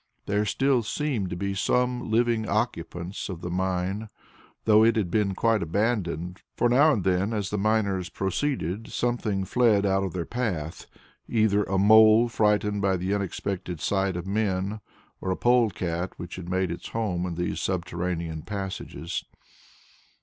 There still seemed to be some living occupants of the mine, though it had been quite abandoned, for now and then, as the miners proceeded, something fled out of their path, either a mole frightened by the unexpected sight of men, or a pole cat which had made its home in these subterranean passages.